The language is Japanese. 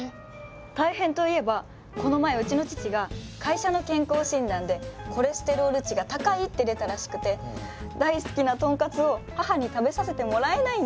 大変といえばこの前うちの父が会社の健康診断でコレステロール値が高いって出たらしくて大好きな豚カツを母に食べさせてもらえないんですよ。